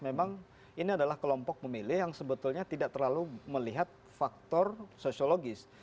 memang ini adalah kelompok pemilih yang sebetulnya tidak terlalu melihat faktor sosiologis